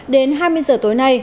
đến hai mươi giờ tối nay